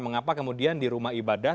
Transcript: mengapa kemudian di rumah ibadah